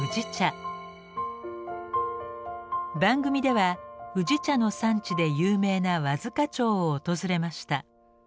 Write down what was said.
番組では宇治茶の産地で有名な和束町を訪れました。